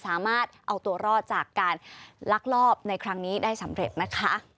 สามารถเอาตัวรอดจากการลักลอบในครั้งนี้ได้สำเร็จนะคะ